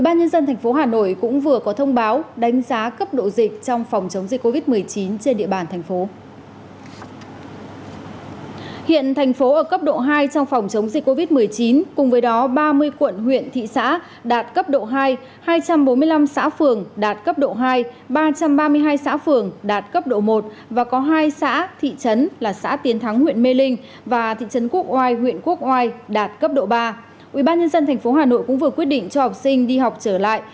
ban nhân dân tp hà nội cũng vừa quyết định cho học sinh đi học trở lại